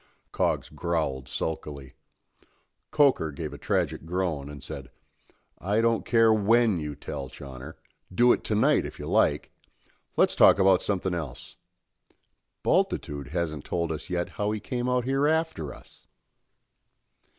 Coggs growled sulkily; Coker gave a tragic groan, and said: "I don't care when you tell, Chawner. Do it to night if you like. Let's talk about something else. Bultitude hasn't told us yet how he came out here after us."